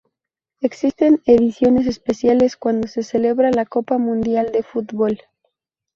Existen ediciones especiales cuando se celebra la Copa Mundial de Fútbol.